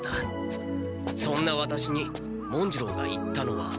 そんなワタシに文次郎が言ったのは。